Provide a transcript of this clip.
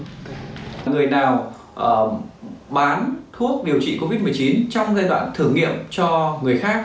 người nào bán thuốc điều trị covid một mươi chín trong giai đoạn thử nghiệm cho người khác